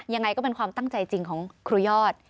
ยังไงก็เป็นความตั้งใจจริงของครูยอด